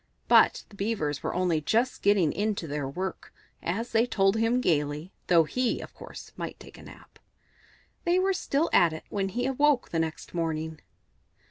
But the Beavers were only just getting into their work, as they told him gaily, though he, of course, might take a nap. They were still at it when he awoke next morning.